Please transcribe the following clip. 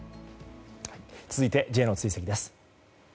続いて、Ｊの追跡です。